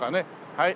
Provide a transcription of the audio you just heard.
はい。